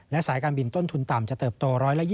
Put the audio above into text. และสายการบินต้นทุนต่ำจะเติบโต๑๒๐